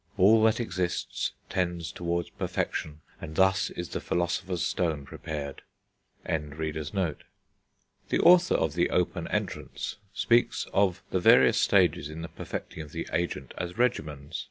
All that exists tends towards perfection, and thus is the Philosopher's Stone prepared. FIG. V.] The author of The Open Entrance speaks of the various stages in the perfecting of the agent as regimens.